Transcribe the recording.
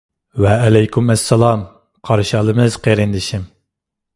ۋەئەلەيكۇم ئەسسالام قارشى ئالىمىز قېرىندىشىم.